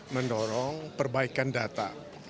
mendorong perbaikan data